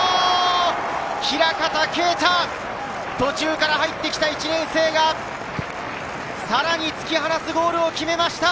平形京太、途中から入ってきた一年生がさらに突き放すゴールを決めました。